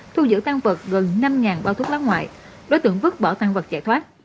thu giữ tăng vật gần năm bao thuốc lá ngoại đối tượng vứt bỏ tăng vật chạy thoát